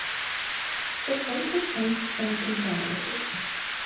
The site has since been contaminated.